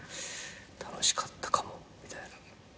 楽しかったかもみたいな。